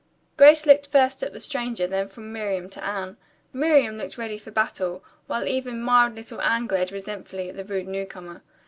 Grace looked first at the stranger then from Miriam to Anne. Miriam looked ready for battle, while even mild little Anne glared resentfully at the rude newcomer.